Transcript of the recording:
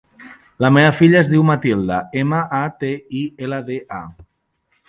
La meva filla es diu Matilda: ema, a, te, i, ela, de, a.